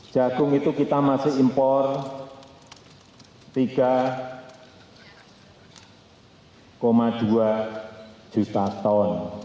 jagung itu kita masih impor tiga dua juta ton